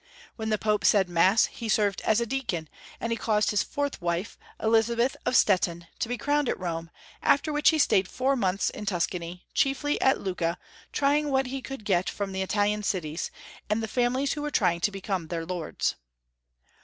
When the Pope said Mass he served as a deacon, and he caused his fourth wife, Elizabeth of Stettin, to be crowned at Rome, after which he stayed four months in Tuscany, chiefly at Lucca, trying what he could get from the Italian cities, and the families who were trying to become their lords.